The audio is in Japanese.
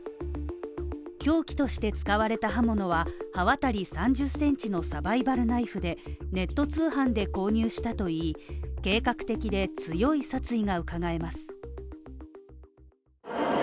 凶器として使われた刃物は刃渡り３０センチのサバイバルナイフで、ネット通販で購入したといい計画的で強い殺意がうかがえます。